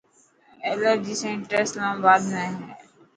ايلرجي سينٽر اسلامآباد ۾ هي.